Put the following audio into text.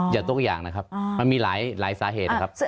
ทุกอย่างนะครับมันมีหลายสาเหตุนะครับ